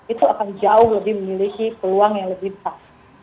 itu akan jauh lebih memiliki peluang yang lebih besar